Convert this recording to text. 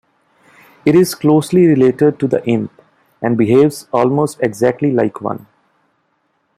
It is closely related to the Imp, and behaves almost exactly like one.